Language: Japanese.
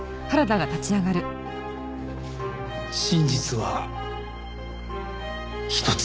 真実は一つ。